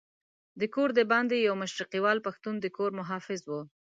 د کور دباندې یو مشرقیوال پښتون د کور محافظ وو.